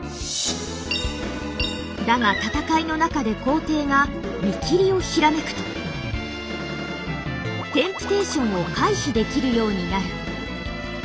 だが戦いの中で皇帝が「見切り」を閃くと「テンプテーション」を回避できるようになる。